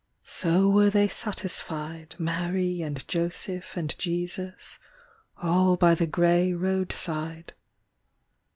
So were they satisfied, Mary and Joseph and Jesus, All by the grey road side.